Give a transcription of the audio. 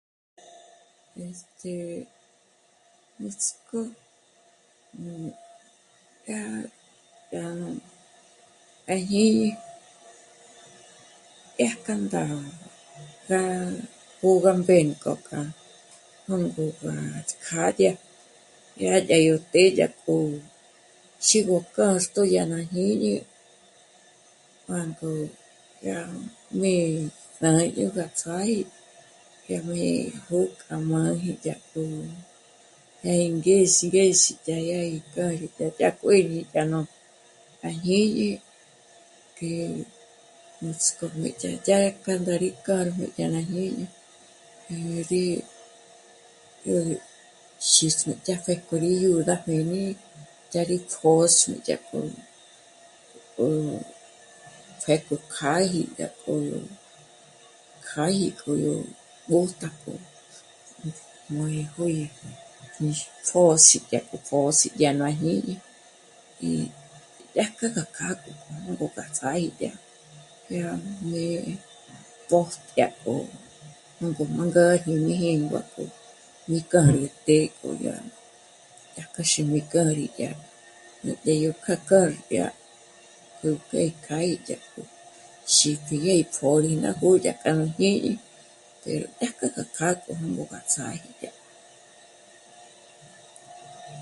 Este... nuts'k'ó nú dyá..., yá nú..., à jñíñi, dyájkja ndá'a rá jó'o gá mbénk'o k'a nú'ugö k'a kjâdya, dyá, dyá ró të́'ë dyá k'o xí gó kâxtjo yá nú à jñíñi. Mâ'a ngó yá mí nâ'a dyó gá ts'ági dyá juí'i yá mí jó'o k'a má dyò'o dyá k'o, dyá gí ngés'i, ngés'i, dyá, dyá rí kârgo k'o dyá kuéñi dyá nú à jñíñi k'e nuts'k'ojmé dyá, dyá k'a ndá rí kârgo dyá à jñíñi, yó rí, yó rí xísjmé dyá k'o rí dyôd'a à juǐñi, dyá rí pjö̌s'ü dyá k'o o pjék'o kjâ'aji dyá k'o kjâ'aji k'o yó mbójtak'o nújnú juí'i núx pjö̌s'i dyá k'o pjö̌s'i dyá k'o nú à jñíñi. í dyájkja gá kjâ'a k'o júnk'o gá ts'áji dyá, jé rá mé'e pójt'ü dyá k'o nú ngó má ngârji mí jíngua k'o mí kárüjte k'o dyá, dyá k'a xí mí kjâ'a juí'i dyá, nú medyo dyá kjâ'a kjârdya yó pjékjâji yá í dyá k'o xípji ngé pjö̌ri ná b'ó'o dyá k'a nú jñíñi, pero dyájkja gá kjâ'a k'o jôngo rá ts'áji dyá k'o